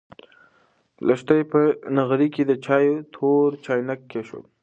لښتې په نغري کې د چایو تور چاینک کېښود.